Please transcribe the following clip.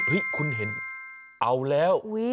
เห้ยคุณเห็นเอาแล้ว